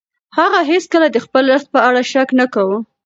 هغه هیڅکله د خپل رزق په اړه شک نه کاوه.